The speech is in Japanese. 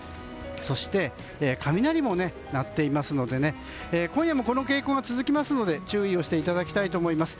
そして、雷も鳴っていますので今夜もこの傾向が続きますので注意をしていただきたいと思います。